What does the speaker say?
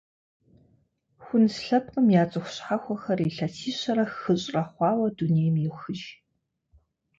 Хунз лъэпкъым я цӏыху щхьэхуэхэр илъэсищэрэ хыщӏрэ хъуауэ дунейм йохыж.